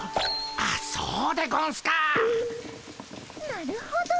なるほど。